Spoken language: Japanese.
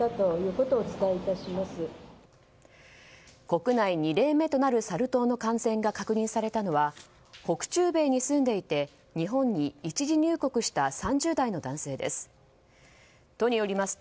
国内２例目となるサル痘の感染が確認されたのは北中米に住んでいて日本に一時入国した３０代の男性です。